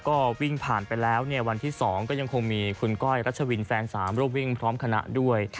ก็วิ่งผ่านไปแล้วเนี่ยวันที่๒ก็ยังคงมีคุณก้อยรัชวินแฟน๓ร่วมวิ่งพร้อมคณะด้วย